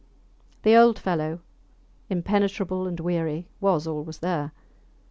The old fellow, impenetrable and weary, was always there.